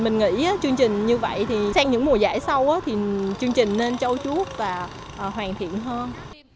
mình nghĩ chương trình như vậy thì sang những mùa giải sau thì chương trình nên châu chú và hoàn thiện hơn